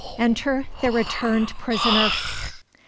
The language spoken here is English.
ENTER THE RETURNED PRISONER.